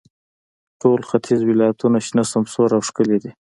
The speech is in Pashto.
ټول ختیځ ولایتونو شنه، سمسور او ښکلي دي.